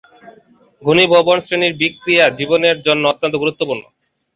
ঘনীভবন শ্রেণীর বিক্রিয়া জীবনের জন্য অত্যন্ত গুরুত্বপূর্ণ।